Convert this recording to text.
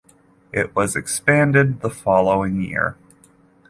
It was expanded the following year.